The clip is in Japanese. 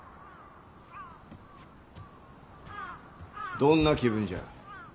どんな気分じゃ？